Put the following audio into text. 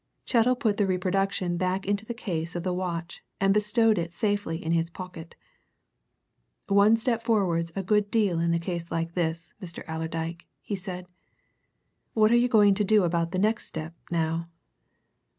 Chettle put the reproduction back into the case of the watch and bestowed it safely in his pocket. "One step forward's a good deal in a case like this, Mr. Allerdyke," he said. "What are you going to do about the next step, now?"